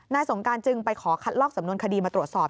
สงการจึงไปขอคัดลอกสำนวนคดีมาตรวจสอบ